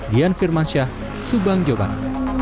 dian firmansyah subang jogja